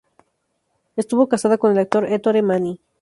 Estuvo casada con el actor Ettore Manni.